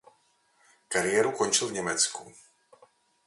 Kariéru končil v Německu.